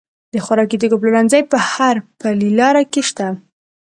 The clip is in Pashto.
د خوراکي توکو پلورنځي په هر پلې لار کې شته.